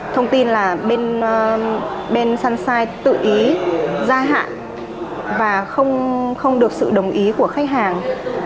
thông tin là bên sunshine tự ý gia hạn và không được sự đồng ý của khách hàng